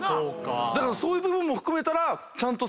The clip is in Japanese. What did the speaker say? だからそういう部分も含めたらちゃんと。